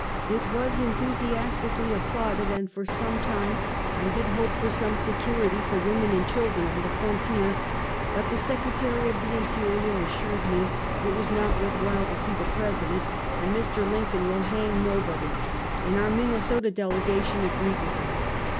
It was enthusiasti cally applauded, and for a time I did hope for some se curity for women and children on the frontier; but the Secretary of the Interior assured me it was not worth while'to see the President, for " Mr. Lincoln will hang nobody!" and our Minnesota delegation agreed with him.